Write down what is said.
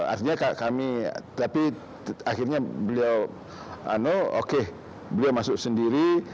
artinya kami tapi akhirnya beliau masuk sendiri